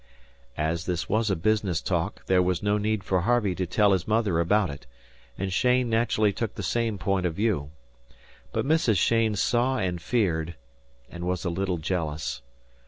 As this was a business talk, there was no need for Harvey to tell his mother about it; and Cheyne naturally took the same point of view. But Mrs. Cheyne saw and feared, and was a little jealous.